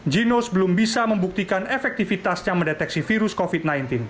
ginos belum bisa membuktikan efektivitasnya mendeteksi virus covid sembilan belas